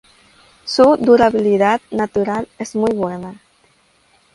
Su durabilidad natural es muy buena.